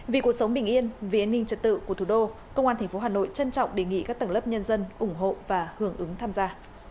vì cuộc sống bình yên vì an ninh trật tự của thủ đô công an tp hà nội trân trọng đề nghị các tầng lớp nhân dân ủng hộ và hưởng ứng tham gia